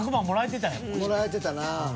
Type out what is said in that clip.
もらえてたなぁ。